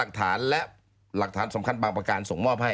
หลักฐานและหลักฐานสำคัญบางประการส่งมอบให้